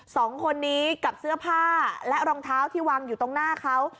สองคนนี้กับเสื้อผ้าและรองเท้าที่วางอยู่ตรงหน้าเขา